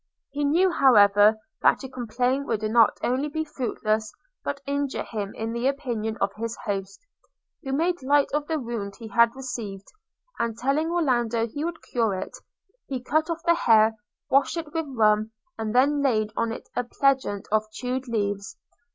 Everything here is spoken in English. He knew, however, that to complain would not only be fruitless, but injure him in the opinion of his host, who made light of the wound he had received; and telling Orlando he would cure it, he cut off the hair, washed it with rum, and then laid on it a pledget of chewed leaves.